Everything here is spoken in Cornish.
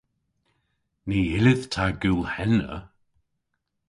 Ny yllydh ta gul henna.